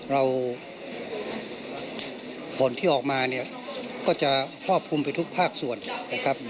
ผลที่ออกมาเนี่ยก็จะครอบคลุมไปทุกภาคส่วนนะครับ